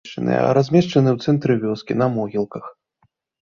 Размешчаны ў цэнтры вёскі, на могілках.